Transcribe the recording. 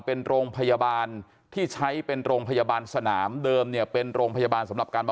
เป็นโรงพยาบาลที่ใช้เป็นโรงพยาบาลสนามเดิมเนี่ยเป็นโรงพยาบาลสำหรับการ